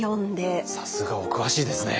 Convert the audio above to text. さすが！お詳しいですね。